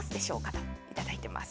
といただいています。